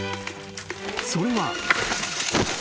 ［それは］